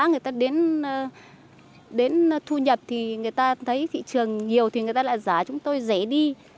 người ta đến thu nhập thì người ta thấy thị trường nhiều thì người ta lại giả chúng tôi dễ đi